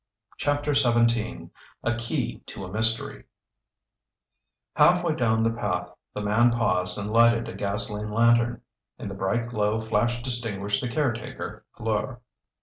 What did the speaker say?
CHAPTER XVII A KEY TO A MYSTERY Halfway down the path, the man paused and lighted a gasoline lantern. In the bright glow Flash distinguished the caretaker, Fleur.